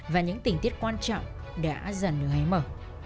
và những tình tiết quan trọng đã dần được hái mở